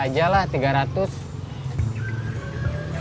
yaudah lah tiga ratus gak apa apa